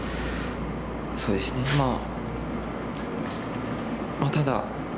そうですねまあ